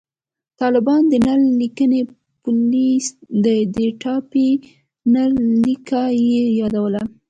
طالبان د نل لیکي پولیس دي، د ټاپي نل لیکه یې یادوله